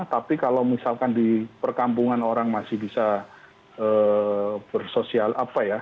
tapi kalau misalkan di perkampungan orang masih bisa bersosial apa ya